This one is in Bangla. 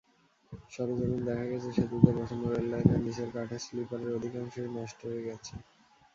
সরেজমিনে দেখা গেছে, সেতুতে বসানো রেললাইনের নিচের কাঠের স্লিপারের অধিকাংশই নষ্ট হয়ে গেছে।